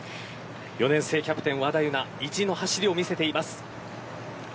４年生キャプテンの和田意地の走りを見せています。